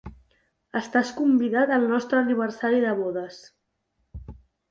Estàs convidat al nostre aniversari de bodes.